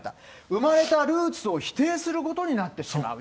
生まれたルーツを否定することになってしまう。